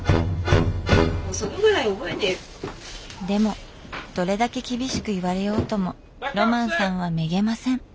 でもどれだけ厳しく言われようともロマンさんはめげません。